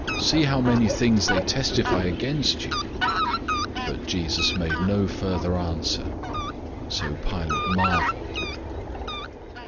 See how many things they testify against you!" 015:005 But Jesus made no further answer, so that Pilate marveled.